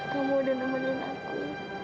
kamu sudah nemenin aku